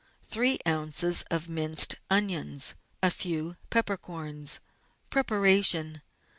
3 oz. of minced onions. A few peppercorns. Preparation.